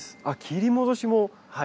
あっ切り戻しも。